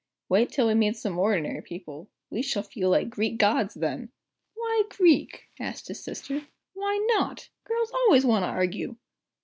Wait till we meet some ordinary people we shall feel like Greek gods then!" "Why Greek?" asked his sister. "Why not? Girls always want to argue!"